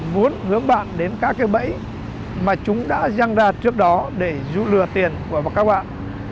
muốn hướng bạn đến các cái bẫy mà chúng đã răng đạt trước đó để dụ lừa tiền của các bạn